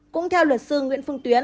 cũng theo luật sư nguyễn phương tuyến